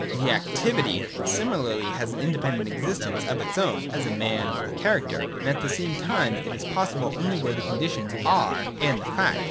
c. The Activity similarly has (a) an independent existence of its own (as a man, a character), and at the same time it is possible only where the conditions are and the fact.